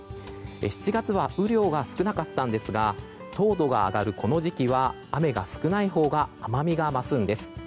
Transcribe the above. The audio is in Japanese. ７月は雨量が少なかったんですが糖度が上がるこの時期は雨が少ないほうが甘みが増すんです。